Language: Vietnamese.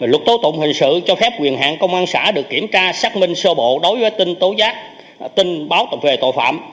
lực tố tụng hình sự cho phép quyền hạn công an xã được kiểm tra xác minh sơ bộ đối với tin tố rắc tin báo tội phạm